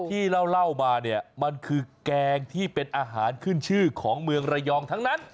ที่เล่ามาเนี่ยมันคือแกงที่เป็นอาหารขึ้นชื่อของเมืองระยองทั้งนั้น